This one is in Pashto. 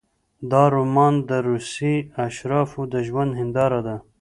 دا رومان د روسیې د اشرافو د ژوند هینداره ده.